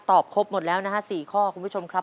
ครบหมดแล้วนะฮะ๔ข้อคุณผู้ชมครับ